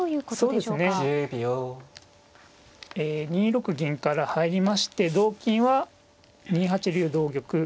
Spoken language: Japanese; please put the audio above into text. ２六銀から入りまして同金は２八竜同玉